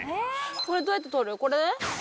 これどうやって取る？